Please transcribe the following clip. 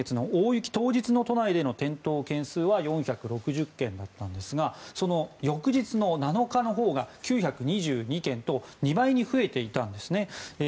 大雪当日の転倒件数は都内で４６０件だったんですがその翌日の７日のほうが９２２件と２倍に増えていたんですね。